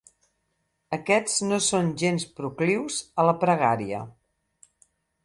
Aquests no són gens proclius a la pregària.